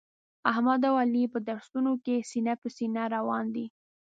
احمد او علي په درسونو کې سینه په سینه روان دي.